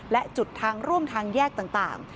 และจุดทางร่วมทางแยกต่าง